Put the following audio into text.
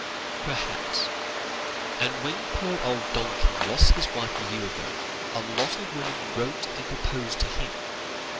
"Perhaps, and when poor old Donkin lost his wife a year ago, a lot of women wrote and proposed to him.